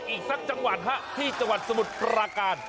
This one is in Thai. อีกสักจังหวัดฮะที่จังหวัดสมุทรปราการ